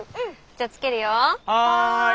じゃあつけるよ。